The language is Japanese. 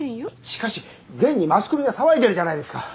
しかし現にマスコミが騒いでるじゃないですか。